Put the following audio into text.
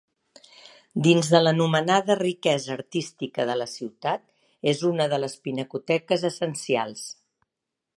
Dins de l'anomenada riquesa artística de la ciutat, és una de les pinacoteques essencials.